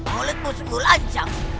mulutmu sungguh lancar